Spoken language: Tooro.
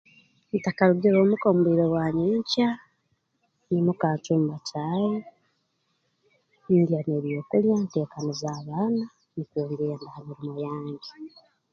Ntakarugire omu ka mu bwire bwa nyenkya nyimuka ncumba caayi ndya n'ebyokulya nteekaniza abaana nukwo ngenda ha mirimo yange